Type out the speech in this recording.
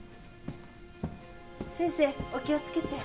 先生お気をつけて。